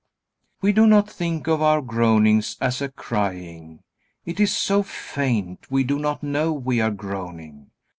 We do not think of our groanings as a crying. It is so faint we do not know we are groaning.